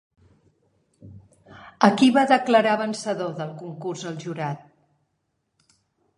A qui va declarar vencedor del concurs el jurat?